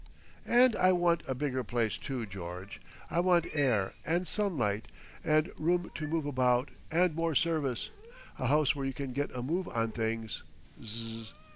"And I want a bigger place too, George. I want air and sunlight and room to move about and more service. A house where you can get a Move on things! Zzzz.